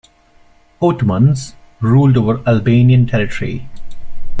Ottomans ruled over Albanian territory.